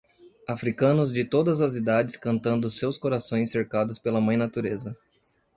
Africanos de todas as idades cantando seus corações cercados pela mãe natureza.